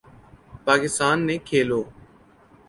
پاکستان نے کھیلو